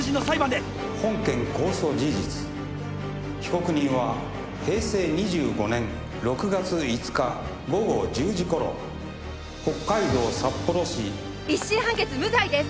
「本件公訴事実被告人は平成２５年６月５日午後１０時頃北海道札幌市」一審判決無罪です。